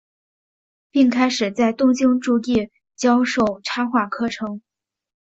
并开始在东京筑地教授插画课程。